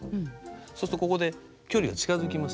そうするとここで距離が近づきます。